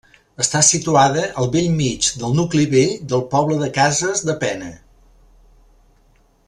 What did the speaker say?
Està situada al bell mig del nucli vell del poble de Cases de Pena.